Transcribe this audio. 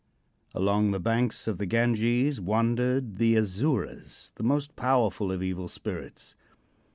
Along the banks of the Ganges wandered the Asuras, the most powerful of evil spirits.